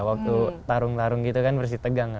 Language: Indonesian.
waktu tarung tarung gitu kan bersih tegang